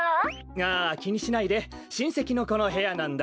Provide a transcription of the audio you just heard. ああきにしないでしんせきのこのへやなんだ。